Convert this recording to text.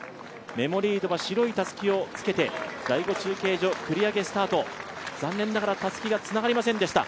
メモリードは白いたすきをつけて、第５中継所、繰り上げスタート、残念ながらたすきがつながりませんでした。